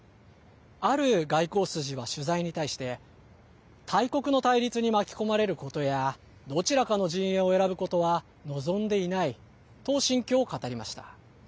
ある外交筋は取材に対して大国の対立に巻き込まれることやどちらかの陣営を選ぶことは望んでいないと心境を語りました。